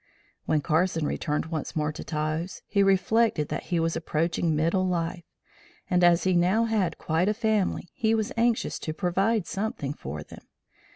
When Carson returned once more to Taos, he reflected that he was approaching middle life, and as he now had quite a family, he was anxious to provide something for them.